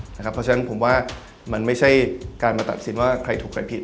เพราะฉะนั้นผมว่ามันไม่ใช่การมาตัดสินว่าใครถูกใครผิด